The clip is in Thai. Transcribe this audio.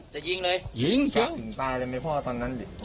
จะยิงเลยยิงตายเลยไหมพ่อตอนนั้นดิ